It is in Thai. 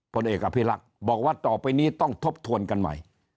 ผลเอกอภิรักษ์บอกว่าต่อไปนี้ต้องทบทวนกันใหม่